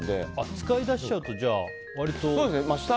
使いだしちゃうと割と。